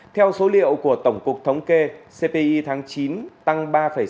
theo số liệu của tổng cục thống kê cpi tháng chín tăng ba sáu mươi sáu